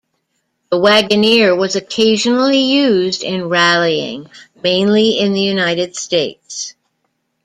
The Wagoneer was occasionally used in rallying, mainly in the United States.